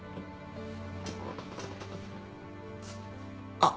あっ。